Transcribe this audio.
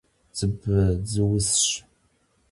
Dzıbe dzıusş.